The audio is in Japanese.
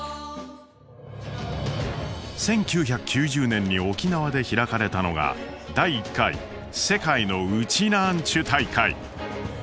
１９９０年に沖縄で開かれたのが第１回「世界のウチナーンチュ大会」。